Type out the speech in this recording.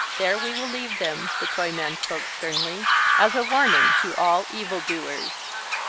"There we will leave them," the Toyman spoke sternly, "as a warning to all evil doers."